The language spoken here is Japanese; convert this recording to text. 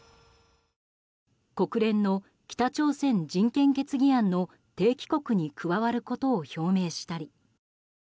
国連の北朝鮮人権決議案の提起国に加わることを表明したり。